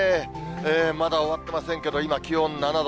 まだ終わってませんけど、今、気温７度。